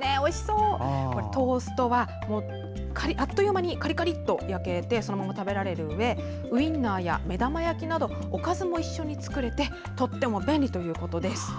トーストは、あっという間にカリカリッと焼けてそのまま食べられるうえウインナーや目玉焼きなどおかずも一緒に作れてすごく便利ということです。